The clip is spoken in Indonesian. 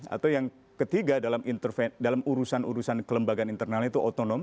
atau yang ketiga dalam urusan urusan kelembagaan internal itu otonom